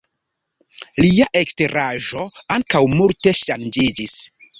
Lia eksteraĵo ankaŭ multe ŝanĝiĝis.